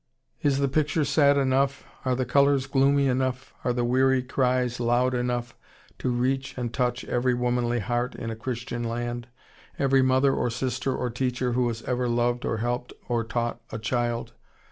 Is the picture sad enough, are the colors gloomy enough, are the weary cries loud enough to reach and touch every womanly heart in a Christian land, every mother or sister or teacher who has ever loved or helped or taught a child?